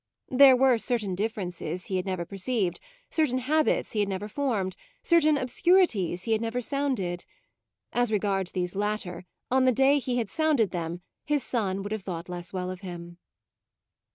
There were certain differences he had never perceived, certain habits he had never formed, certain obscurities he had never sounded. As regards these latter, on the day he had sounded them his son would have thought less well of him.